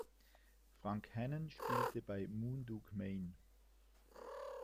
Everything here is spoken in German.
Frank Hannon spielte bei Moon Dog Mane.